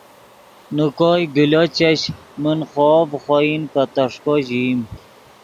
نے کوئے گلو چش من خوئے ڤے خوئن پے تیݰکو ژئیم